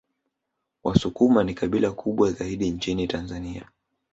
Wasukuma ni kabila kubwa zaidi nchini Tanzania